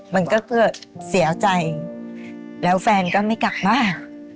มันก็เพื่อเสียใจแล้วแฟนก็ไม่กลับบ้าน